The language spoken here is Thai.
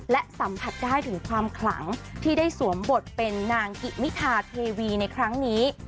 และสัมผัสได้ถึงความขลังที่ได้สวมบทเป็นนางกิมิทาเทวีในครั้งนี้